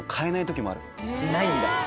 ないんだ。